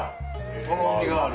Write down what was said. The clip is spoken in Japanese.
とろみがある。